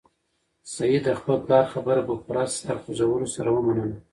سعید د خپل پلار خبره په پوره سر خوځولو سره ومنله.